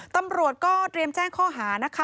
ตำรวจก็เตรียมแจ้งข้อหานะคะ